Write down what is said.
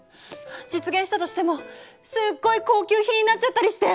実現したとしてもすっごい高級品になっちゃったりして！